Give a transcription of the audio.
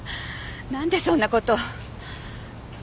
なんでそんな事。